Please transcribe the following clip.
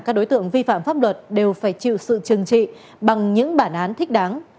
tất cả các đối tượng vi phạm pháp luật đều phải chịu sự chừng trị bằng những bản án thích đáng